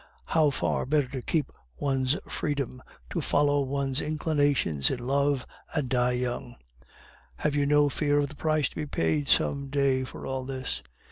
How far better to keep one's freedom, to follow one's inclinations in love, and die young!" "Have you no fear of the price to be paid some day for all this?"